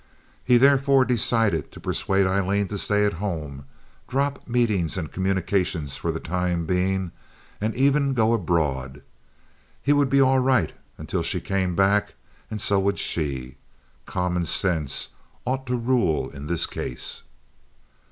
He therefore decided to persuade Aileen to stay at home, drop meetings and communications for the time being, and even go abroad. He would be all right until she came back and so would she—common sense ought to rule in this case.